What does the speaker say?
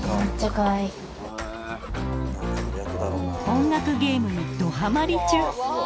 音楽ゲームにどハマり中！